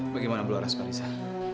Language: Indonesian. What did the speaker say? bagaimana luar asal bisa